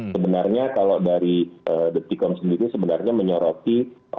sebenarnya kalau dari dpt com sendiri sebenarnya menyoroti